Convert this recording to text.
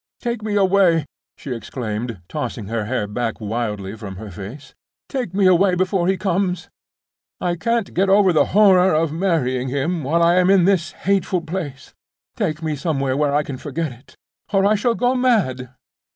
"Take me away!" she exclaimed, tossing her hair back wildly from her face. "Take me away before he comes. I can't get over the horror of marrying him while I am in this hateful place; take me somewhere where I can forget it, or I shall go mad!